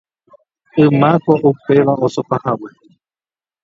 Ymáko upéva osopahague